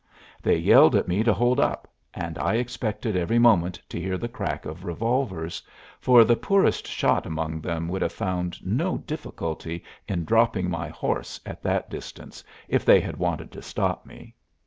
They yelled at me to hold up, and I expected every moment to hear the crack of revolvers, for the poorest shot among them would have found no difficulty in dropping my horse at that distance if they had wanted to stop me.